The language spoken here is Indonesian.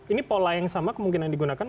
ini pola yang sama kemungkinan digunakan